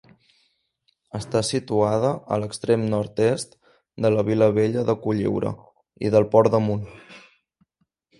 Està situada a l'extrem nord-est de la Vila vella de Cotlliure i del Port d'Amunt.